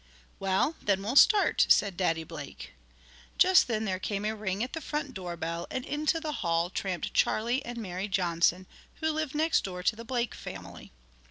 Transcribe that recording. "Well, then we'll start," said Daddy Blake. Just then there came a ring at the front door bell, and into the hall tramped Charlie and Mary Johnson, who lived next door to the Blake family.